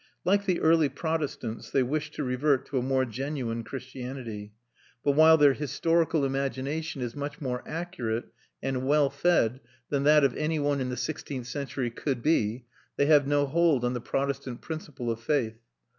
Like the early Protestants, they wish to revert to a more genuine Christianity; but while their historical imagination is much more accurate and well fed than that of any one in the sixteenth century could be, they have no hold on the Protestant principle of faith.